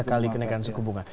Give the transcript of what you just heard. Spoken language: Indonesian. kali kenaikan suku bunga